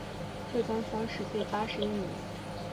浙江乡试第八十一名。